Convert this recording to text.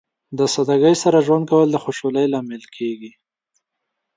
د سادګۍ سره ژوند کول د خوشحالۍ لامل کیږي.